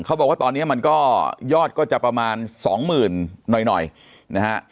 เขาบอกว่าตอนนี้มันก็ยอดก็จะประมาณสองหมื่นหน่อยหน่อยนะฮะ